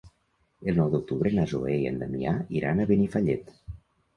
El nou d'octubre na Zoè i en Damià iran a Benifallet.